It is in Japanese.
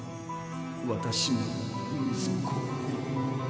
私の息子よ。